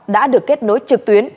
đã được kết nối trực tuyến